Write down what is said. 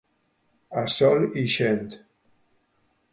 A sol ixent.